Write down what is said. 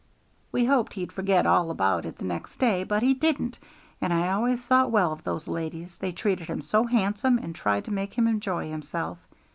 "We hoped he'd forget all about it the next day; but he didn't; and I always thought well of those ladies, they treated him so handsome, and tried to make him enjoy himself.